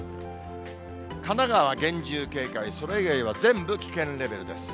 神奈川厳重警戒、それ以外は全部危険レベルです。